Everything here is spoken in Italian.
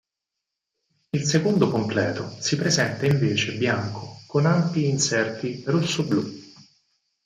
Il secondo completo si presenta invece bianco con ampi inserti rossoblù.